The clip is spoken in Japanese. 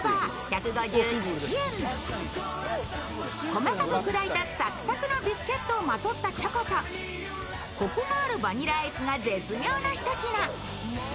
細かく砕いたサクサクのビスケットをまとったチョコとコクのあるバニラアイスが絶妙な一品。